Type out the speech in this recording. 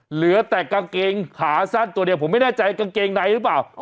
เหลือแต่กางเกงขาสั้นตัวเดียวผมไม่แน่ใจกางเกงในหรือเปล่า